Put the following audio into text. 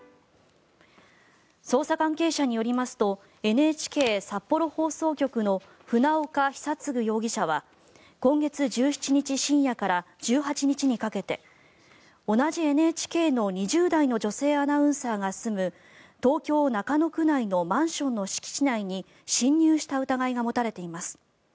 捜査関係者によりますとＮＨＫ札幌放送局の船岡久嗣容疑者は今月１７日深夜から１８日にかけて同じＮＨＫの２０代の女性アナウンサーが住む東京・中野区内のマンションの敷地内に侵入した疑いが持たれています。